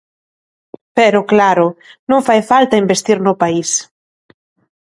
Pero, claro, non fai falta investir no país.